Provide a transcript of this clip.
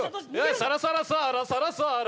サラサラサラサラサラ。